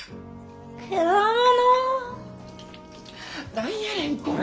何やねんこれ。